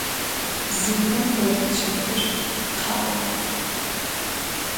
Bzıume vored çefır kha'o.